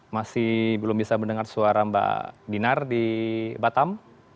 masih belum bisa mendengar suara mbak dinar di batam